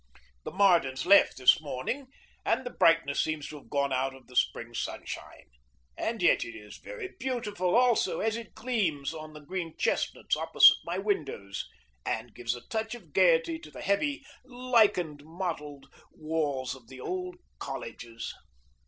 The Mardens left this morning, and the brightness seems to have gone out of the spring sunshine. And yet it is very beautiful also as it gleams on the green chestnuts opposite my windows, and gives a touch of gayety to the heavy, lichen mottled walls of the old colleges.